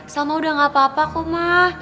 salma udah gak apa apa kok mah